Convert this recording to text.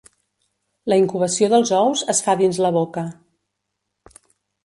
La incubació dels ous es fa dins la boca.